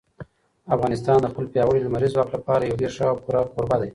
افغانستان د خپل پیاوړي لمریز ځواک لپاره یو ډېر ښه او پوره کوربه دی.